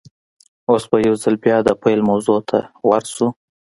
اوس به يوځل بيا د پيل موضوع ته ور شو.